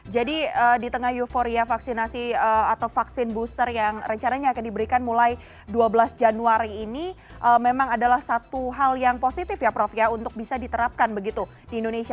jadi di tengah euforia vaksinasi atau vaksin booster yang rencananya akan diberikan mulai dua belas januari ini memang adalah satu hal yang positif ya prof ya untuk bisa diterapkan begitu di indonesia